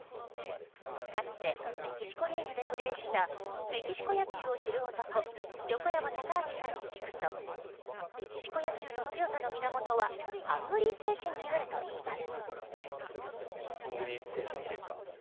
かつてメキシコリーグでプレーしたメキシコ野球を知る男横山貴明さんに聞くとメキシコ野球の強さの源はハングリー精神にあるといいます。